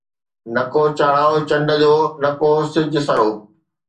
نڪو چاڙهائو چنڊ جو، نڪو سـِـج سرو